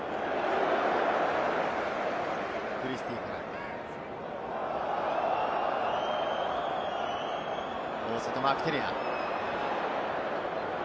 クリスティーから大外、マーク・テレア。